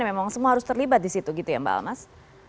memang semua harus terlibat di situ gitu ya mbak almas